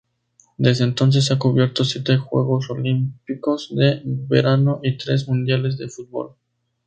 Desde entonces ha cubierto siete Juegos Olímpicos de verano y tres Mundiales de fútbol.